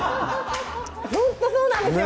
ほんとそうなんですよ